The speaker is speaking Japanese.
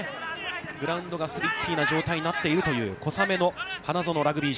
グラウンドがスリッキーな状態になっているという小雨の花園ラグビー場。